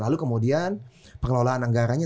lalu kemudian perlolaan anggaranya